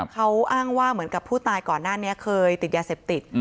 เขาอ้างว่าเหมือนกับผู้ตายก่อนหน้านี้เคยติดยาเสพติด